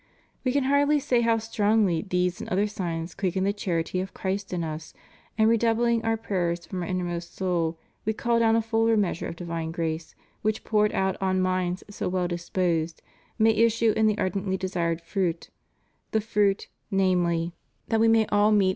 We can hardly say how strongly these and other signs quicken the charity of Christ in Us, and redoubling Our prayers from Our inmost soul We call down a fuller measure of divine grace, which, poured out on minds so well disposed, may issue in the ardently desired fruit, the fruit, namely, that We may all meet TO THE ENGLISH PEOPLE.